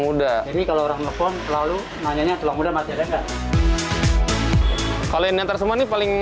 muda ini kalau orang telepon lalu nanya tulang muda masih ada enggak kalian yang tersebut ini